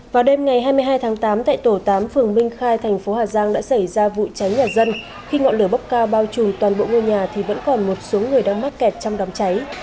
vào đêm ngày hai mươi hai tháng tám tại tổ tám phường minh khai thành phố hà giang đã xảy ra vụ cháy nhà dân khi ngọn lửa bốc cao bao trùm toàn bộ ngôi nhà thì vẫn còn một số người đang mắc kẹt trong đám cháy